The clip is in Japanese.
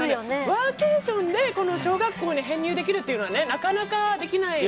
ワーケーションで小学校に編入できるというのはなかなかできない。